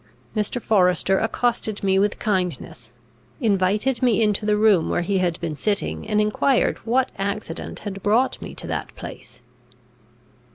Mr. Forester accosted me with kindness, invited me into the room where he had been sitting, and enquired what accident had brought me to that place.